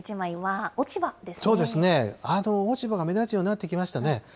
そうですね、落ち葉が目立つようになってきましたね。